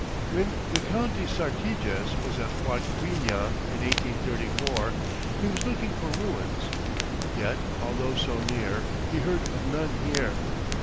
When the Count de Sartiges was at Huadquiña in 1834 he was looking for ruins; yet, although so near, he heard of none here.